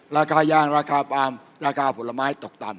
ราคายางราคาปาล์มราคาผลไม้ตกต่ำ